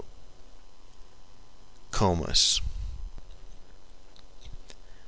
Comus.